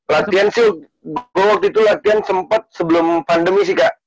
latihan sih dulu waktu itu latihan sempat sebelum pandemi sih kak